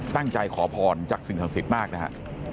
ขอพรจากสิ่งศักดิ์สิทธิ์มากนะฮะ